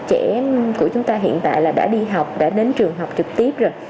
trẻ của chúng ta hiện tại là đã đi học đã đến trường học trực tiếp rồi